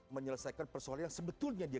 menyelesaikan persoalan yang sebetulnya dia